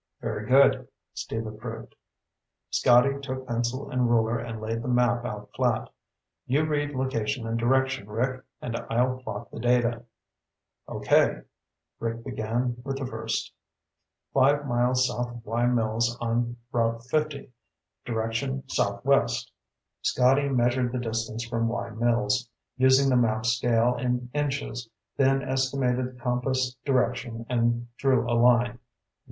"Very good," Steve approved. Scotty took pencil and ruler and laid the map out flat. "You read location and direction, Rick, and I'll plot the data." "Okay." Rick began with the first. "Five miles south of Wye Mills on Route 50. Direction, southwest." Scotty measured the distance from Wye Mills, using the map scale in inches, then estimated the compass direction and drew a line.